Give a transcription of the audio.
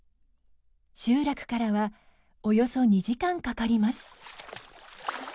集落からはおよそ２時間かかります。